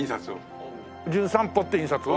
『じゅん散歩』って印刷を？